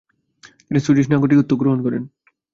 তিনি সুইডিশ নাগরিকত্ব গ্রহণ করেন।